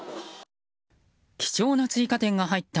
貴重な追加点が入った